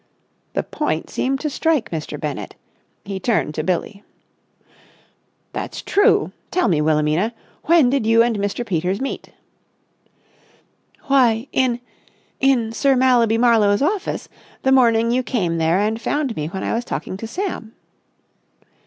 The point seemed to strike Mr. Bennett. He turned to Billie. "That's true. Tell me, Wilhelmina, when did you and Mr. Peters meet?" "Why, in—in Sir Mallaby Marlowe's office, the morning you came there and found me when I was talking to Sam."